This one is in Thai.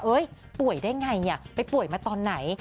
เฮ่ยป่วยได้อย่างไรไปป่วยมาตอนไหน